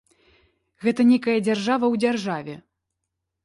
Гэта нейкая дзяржава ў дзяржаве.